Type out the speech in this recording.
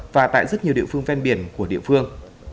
và tại rất nhiều địa phương ven biển của địa phương